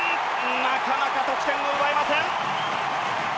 なかなか得点を奪えません。